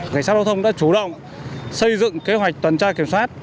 ngày sát đoàn thông đã chủ động xây dựng kế hoạch tuần tra kiểm soát